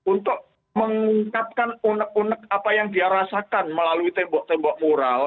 untuk mengungkapkan unek unek apa yang dia rasakan melalui tembok tembok moral